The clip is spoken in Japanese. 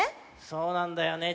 そうなんだよね。